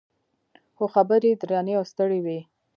خو خبرې یې درنې او ستړې وې.